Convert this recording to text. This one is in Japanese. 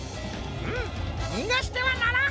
うむにがしてはならん！